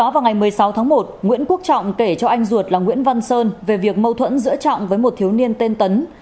phước trọng kể cho anh ruột là nguyễn văn sơn về việc mâu thuẫn giữa trọng với một thiếu niên tên tấn